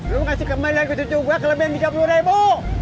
lu ngasih kembali lagi coba kelebihan tiga puluh ribu